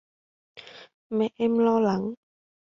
Mẹ em lo lắng